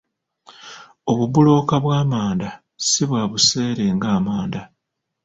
Obubulooka bw'amanda si bwa buseere nga amanda.